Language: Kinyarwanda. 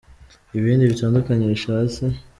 Ibindi bitandukanye bishatse.